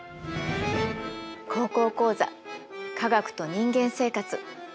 「高校講座科学と人間生活」。